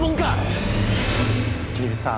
刑事さん。